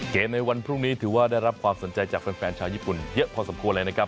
ในวันพรุ่งนี้ถือว่าได้รับความสนใจจากแฟนชาวญี่ปุ่นเยอะพอสมควรเลยนะครับ